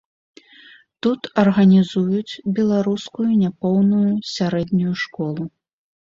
Тут арганізуюць беларускую няпоўную сярэднюю школу.